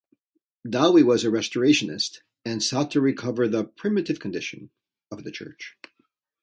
Dowie was a restorationist and sought to recover the "primitive condition" of the Church.